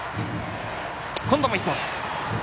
今度もインコース。